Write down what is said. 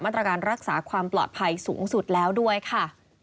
ตรการรักษาความปลอดภัยสูงสุดแล้วด้วยค่ะ